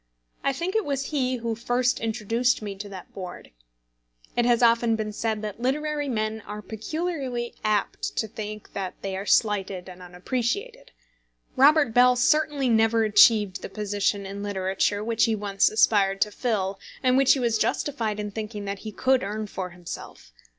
I think it was he who first introduced me to that board. It has often been said that literary men are peculiarly apt to think that they are slighted and unappreciated. Robert Bell certainly never achieved the position in literature which he once aspired to fill, and which he was justified in thinking that he could earn for himself.